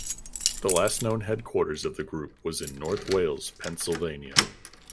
The last known headquarters of the group was in North Wales, Pennsylvania.